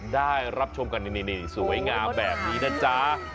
ได้รับชมกันนี่สวยงามแบบนี้นะจ๊ะ